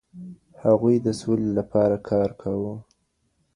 هغوی د سولي لپاره کار کاوه.